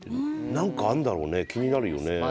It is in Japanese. なんかあんだろうね、気になるね。